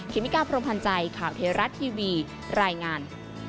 เมกาพรมพันธ์ใจข่าวเทราะทีวีรายงาน